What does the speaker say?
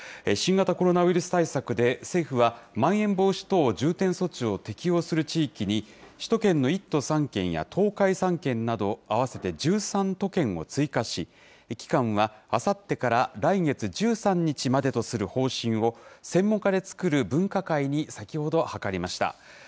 新型コロナウイルス対策で政府は、まん延防止等重点措置を適用する地域に、首都圏の１都３県や東海３県など、合わせて１３都県を追加し、期間はあさってから来月１３日までとする方針を、専門家で作る分科会に先ほど、諮りました。